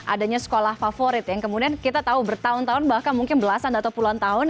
adanya sekolah favorit yang kemudian kita tahu bertahun tahun bahkan mungkin belasan atau puluhan tahun